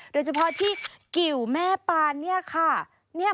โดยเฉพาะที่กิวแม่ปานเนี่ยค่ะ